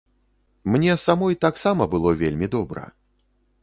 Мне самой таксама было вельмі добра.